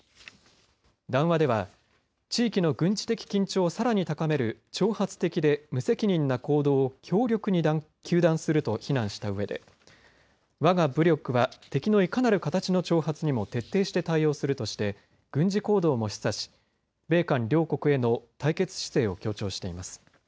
談話では地域の軍事的緊張をさらに高める挑発的で無責任な行動を強力に糾弾すると非難したうえでわが武力は敵のいかなる形の挑発にも徹底して対応するとして軍事行動も示唆し、米韓両国への対決姿勢を強調しています。